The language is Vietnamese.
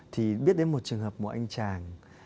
thì biết đến một trường hợp một anh chàng